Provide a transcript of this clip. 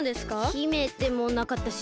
姫でもなかったしねえ